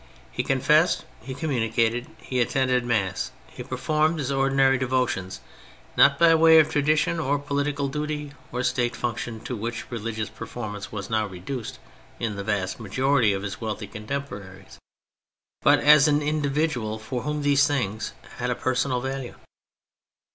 He confessed, he communicated, he attended mass, he performed his ordinary devotions — not by way of tradition or political duty, or State function, to which religious per formance was now reduced in the vast majority of his wealthy contemporaries, but as an individual for whom these things had a personal value.